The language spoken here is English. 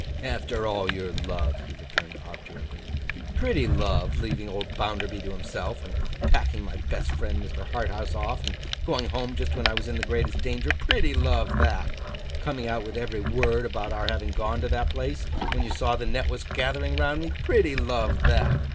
'After all your love!' he returned, obdurately. 'Pretty love! Leaving old Bounderby to himself, and packing my best friend Mr. Harthouse off, and going home just when I was in the greatest danger. Pretty love that! Coming out with every word about our having gone to that place, when you saw the net was gathering round me. Pretty love that!